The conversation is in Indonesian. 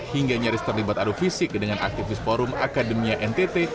hingga nyaris terlibat adu fisik dengan aktivis forum akademia ntt